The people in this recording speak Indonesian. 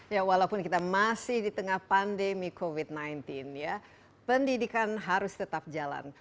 ya walaupun kita masih di tengah pandemi covid sembilan belas ya pendidikan harus tetap jalan